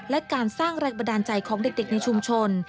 และการสร้างแรงบันดาลใจของเด็กในชุมชน